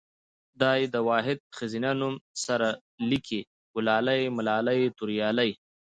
دا ۍ دا واحد ښځينه نوم سره لګي، ګلالۍ ملالۍ توريالۍ